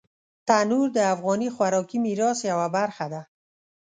تنور د افغاني خوراکي میراث یوه برخه ده